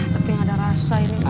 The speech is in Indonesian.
tapi yang ada rasa ini